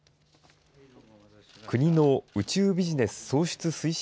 国の宇宙ビジネス創出推進